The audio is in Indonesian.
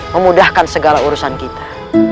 memudahkan segala urusan kita